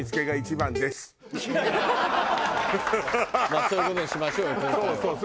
まあそういう事にしましょうよ今回は。